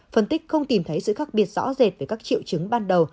phân tích không tìm thấy sự khác biệt rõ rệt về các triệu chứng ban đầu